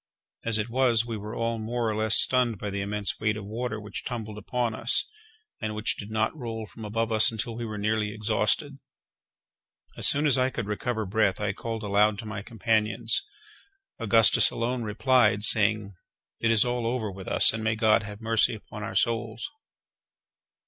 As it was, we were all more or less stunned by the immense weight of water which tumbled upon us, and which did not roll from above us until we were nearly exhausted. As soon as I could recover breath, I called aloud to my companions. Augustus alone replied, saying: "It is all over with us, and may God have mercy upon our souls!"